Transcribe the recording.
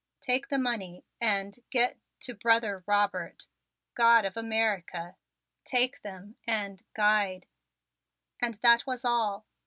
Take the money and get to brother Robert. God of America take them and guide " And that was all.